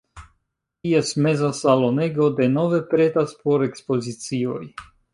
Ties meza salonego denove pretas por ekspozicioj.